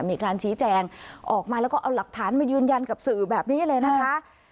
มีการชี้แจงออกมาแล้วก็เอาหลักฐานมายืนยันกับสื่อแบบนี้เลยนะคะ